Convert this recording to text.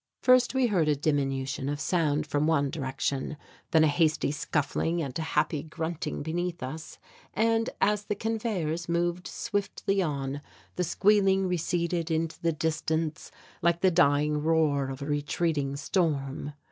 First we heard a diminution of sound from one direction, then a hasty scuffling and a happy grunting beneath us and, as the conveyors moved swiftly on, the squealing receded into the distance like the dying roar of a retreating storm.